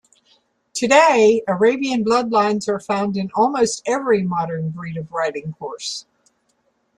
Today, Arabian bloodlines are found in almost every modern breed of riding horse.